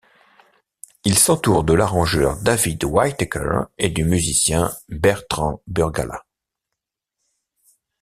Il s'entoure de l'arrangeur David Whitaker et du musicien Bertrand Burgalat.